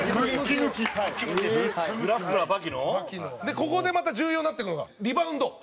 澤部：ここでまた重要になってくるのがリバウンド。